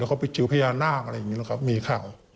แล้วเขาไปเจอพระยานาคอะไรอย่างนี้มีข่าว